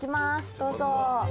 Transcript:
どうぞ。